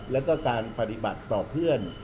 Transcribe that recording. แล้วก็การปฏิบัติต่อเพื่อน